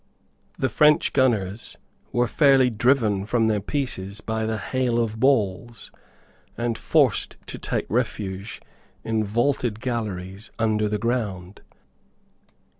The French gunners were fairly driven from their pieces by the hail of balls, and forced to take refuge in vaulted galleries under the ground.